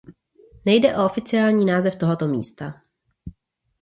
Nejde o oficiální název tohoto místa.